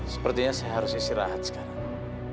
sepertinya saya harus isi rahat sekarang